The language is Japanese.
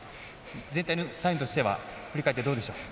全体のタイムとしては振り返って、どうでしょう？